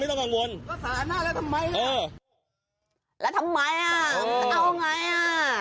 ต้องกังวลก็สาหน้าแล้วทำไมเออแล้วทำไมอ่ะเอาไงอ่ะ